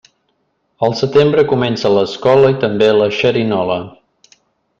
Al setembre comença l'escola i també la xerinola.